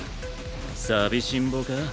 寂しんぼか？